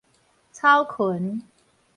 草囷